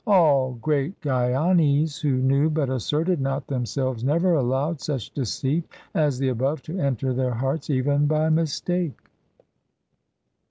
All great gyanis who knew, but asserted not themselves, never allowed such deceit as the above to enter their hearts even by mistake.